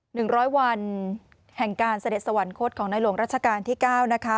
หนึ่งร้อยวันแห่งการเสด็จสวรรคตของในหลวงรัชกาลที่เก้านะคะ